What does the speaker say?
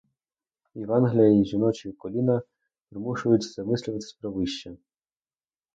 Євангелія й жіночі коліна примушують замислюватись про вище.